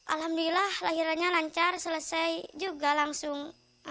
alhamdulillah lahirannya lancar selesai juga langsung